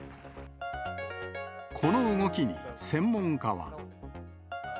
この動きに専門家は。